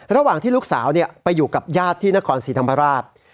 ระหว่างที่ลูกสาวไปอยู่กับญาติที่นครศรีธรรมราช